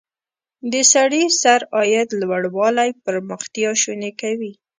د سړي سر عاید لوړوالی پرمختیا شونې کوي.